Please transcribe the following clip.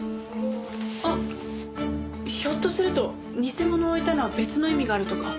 あっひょっとすると偽物を置いたのは別の意味があるとか？